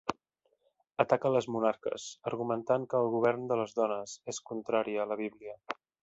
Ataca les monarques, argumentant que el govern de les dones és contrari a la Bíblia.